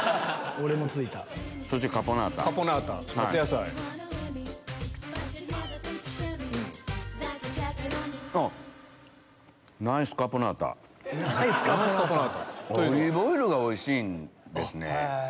オリーブオイルがおいしいんですね。